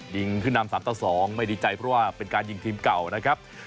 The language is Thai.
ยิงขึ้นนำ๓ต่อ๒ไม่ดีใจเพราะว่าเป็นการยิงทีมเก่านะครับ